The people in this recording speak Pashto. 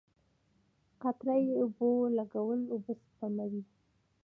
قطره یي اوبولګول اوبه سپموي.